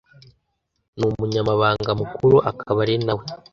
n Umunyamabanga Mukuru akaba ari nawe